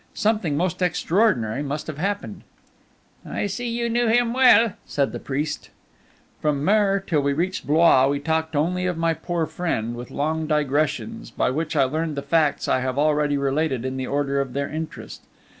Something most extraordinary must have happened?" "I see you knew him well," said the priest. From Mer, till we reached Blois, we talked only of my poor friend, with long digressions, by which I learned the facts I have already related in the order of their interest.